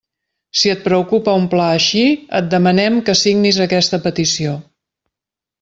Si et preocupa un pla així, et demanem que signis aquesta petició.